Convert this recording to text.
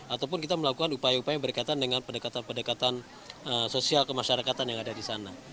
ataupun kita melakukan upaya upaya yang berkaitan dengan pendekatan pendekatan sosial kemasyarakatan yang ada di sana